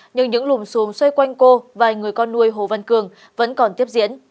nhưng những lùm xuống xoay quanh cô và người con nuôi hồ văn cường vẫn còn tiếp diễn